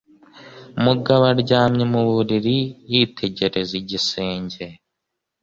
Mugabo aryamye mu buriri yitegereza igisenge.